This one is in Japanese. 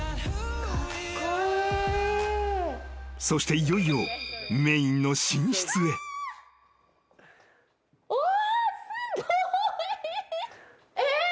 ［そしていよいよメインの］えっ！？